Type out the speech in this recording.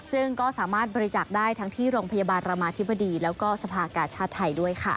ซึ่งก็สามารถบริจาคได้ทั้งที่โรงพยาบาลรามาธิบดีแล้วก็สภากาชาติไทยด้วยค่ะ